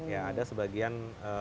ya ada sebagian